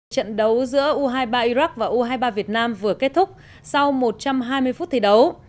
trận đấu giữa u hai mươi ba iraq và u hai mươi ba việt nam vừa kết thúc sau một trăm hai mươi phút thi đấu